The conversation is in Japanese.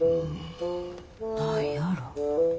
何やろ？